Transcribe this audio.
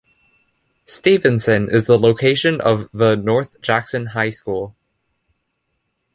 Stevenson is the location of the North Jackson High School.